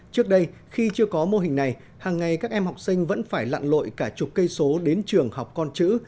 trước đây khi chưa có mô hình này hàng ngày các em học sinh vẫn phải lặn lội cả chục cây số đến trường học con chữ